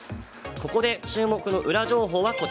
ここで注目のウラ情報。